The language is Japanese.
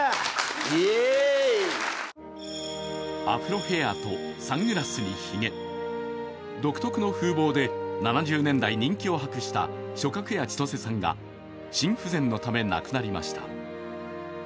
アフロヘアとサングラスにひげ、独特の風貌で７０年代、人気を博した松鶴家千とせさんが心不全のため亡くなりました。